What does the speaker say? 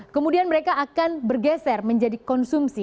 kemudian mereka akan bergeser menjadi konsumsi